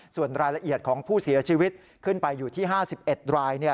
ส่วนรายละเอียดของผู้เสียชีวิตขึ้นไปอยู่ที่๕๑ราย